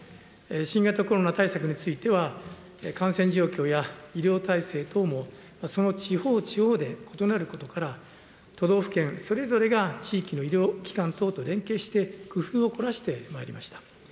新型コロナ対策については、感染状況や医療体制等も、その地方地方で異なることから、都道府県それぞれが地域の医療機関等と連携して、工夫を凝らしてまいりました。